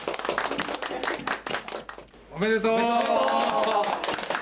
おめでとう。